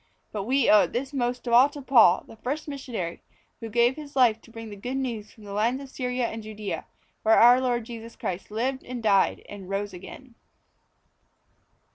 But we owe this most of all to Paul, the first missionary, who gave his life to bring the Good News from the lands of Syria and Judæa, where our Lord Jesus Christ lived and died and rose again.